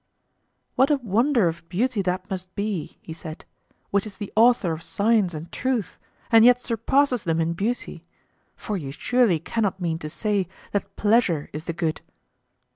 What a wonder of beauty that must be, he said, which is the author of science and truth, and yet surpasses them in beauty; for you surely cannot mean to say that pleasure is the good?